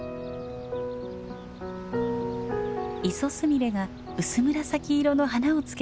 イソスミレが薄紫色の花をつけています。